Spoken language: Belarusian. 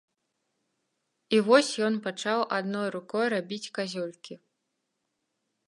І вось ён пачаў адной рукой рабіць казюлькі.